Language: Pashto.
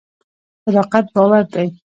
صداقت باور دی.